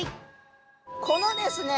このですね